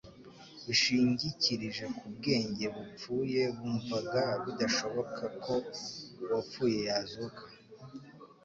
Bishingikirije ku bwenge bupfuye bumvaga bidashoboka ko uwapfuye yazuka.